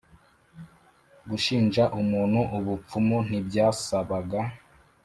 Gushinja umuntu ubupfumu ntibyasabaga